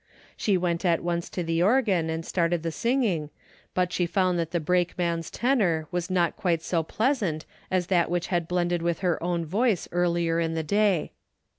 She went at once to the organ and started the singing, but she found that the brakeman's tenor was not quite so pleasant as that which had blended with her own voice earlier in the day.